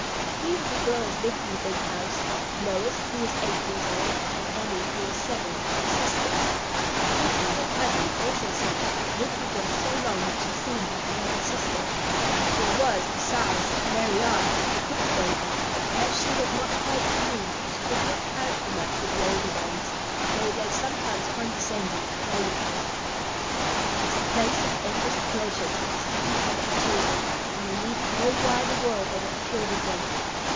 Three little girls lived in the big house. Lois, who was eight years old, and Emmy, who was seven, were sisters. Kitty, their cousin, also seven, had lived with them so long that she seemed like another sister. There was, besides, Marianne, the cook's baby; but as she was not quite three, she did not count for much with the older ones, though they sometimes condescended to play with her. It was a place of endless pleasure to these happy country children, and they needed no wider world than it afforded them.